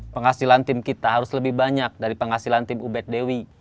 penghasilan tim kita harus lebih banyak dari penghasilan tim ubed dewi